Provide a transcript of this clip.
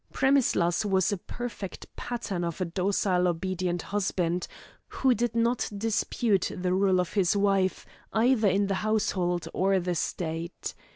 Premislas was a perfect pattern of a docile obedient husband, who did not dispute the rule of his wife, either in the household or the state.